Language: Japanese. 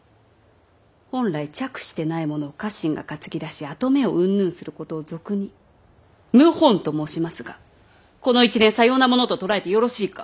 本来嫡子でないものを家臣が担ぎ出し跡目をうんぬんすることを俗に謀反と申しますがこの一連さようなものと捉えてよろしいか！